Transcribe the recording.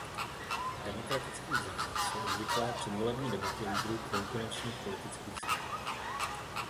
V demokratických zemích jsou obvyklé předvolební debaty lídrů konkurenčních politických stran.